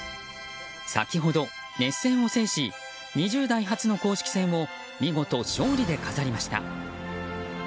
先ほど熱戦を制し２０代初の公式戦を見事、勝利で飾りました。